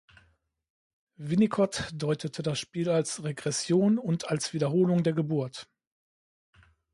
Winnicott deutete das Spiel als Regression und als Wiederholung der Geburt.